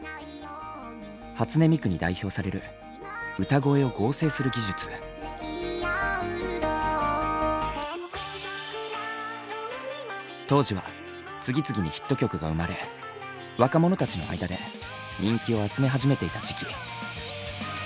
初音ミクに代表される当時は次々にヒット曲が生まれ若者たちの間で人気を集め始めていた時期。